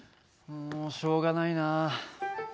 もうしょうがないな。